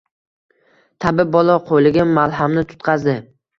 tabib bola qo‘liga malhamni tutqazdi